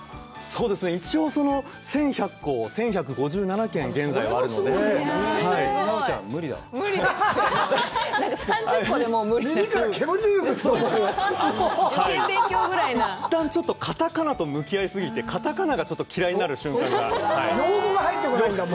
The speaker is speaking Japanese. そうですね一応その１１００個を１１５７件現在はあるので奈緒ちゃん無理だわ無理ですなんか３０個でもう無理耳から煙出てくる受験勉強ぐらいないったんカタカナと向き合いすぎてカタカナが嫌いになる瞬間が用語が入ってこないんだ